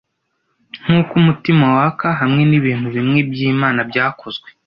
Nkuko umutima waka hamwe nibintu bimwe byimana byakozwe,